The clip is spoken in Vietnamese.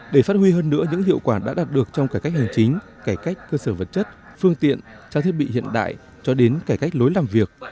để phát huy hơn nữa những hiệu quả đã đạt được trong cải cách hành chính cải cách cơ sở vật chất phương tiện trang thiết bị hiện đại cho đến cải cách lối làm việc